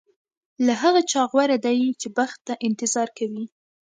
له هغه چا غوره دی چې بخت ته انتظار کوي.